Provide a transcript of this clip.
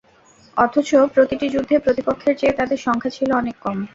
অথচ প্রতিটি যুদ্ধে প্রতিপক্ষের চেয়ে তাদের সংখ্যা ছিল অনেক কম।